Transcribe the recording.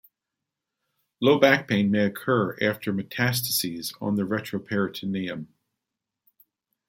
Low back pain may occur after metastasis to the retroperitoneum.